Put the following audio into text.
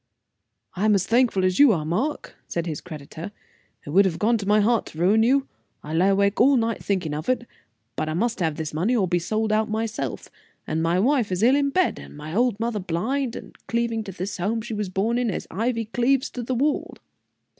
"I'm as thankful as you are, Mark," said his creditor; "it would have gone to my heart to ruin you. I lay awake all night thinking of it; but I must have this money or be sold out myself, and my wife is ill in bed, and my old mother blind, and cleaving to this home she was born in as ivy cleaves to the wall."